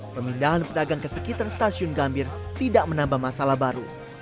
pemindahan pedagang ke sekitar stasiun gambir tidak menambah masalah baru